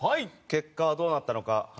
結果はどうなったのか。